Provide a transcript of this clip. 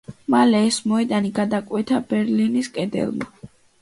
მალე ეს მოედანი გადაკვეთა ბერლინის კედელმა.